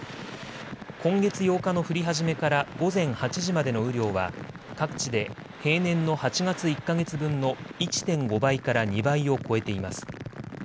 今月８日の降り始めから午前８時までの雨量は各地で平年の８月１か月分の１．５倍から２倍を超えています。